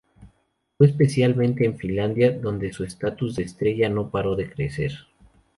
Fue especialmente en Finlandia donde su estatus de estrella no paró de crecer.